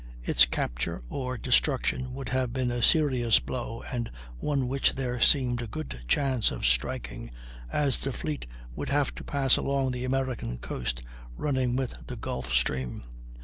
Its capture or destruction would have been a serious blow, and one which there seemed a good chance of striking, as the fleet would have to pass along the American coast, running with the Gulf Stream.